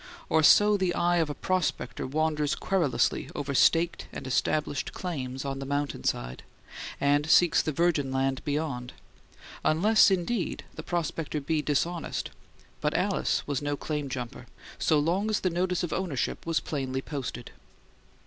Or so the eye of a prospector wanders querulously over staked and established claims on the mountainside, and seeks the virgin land beyond; unless, indeed, the prospector be dishonest. But Alice was no claim jumper so long as the notice of ownership was plainly posted.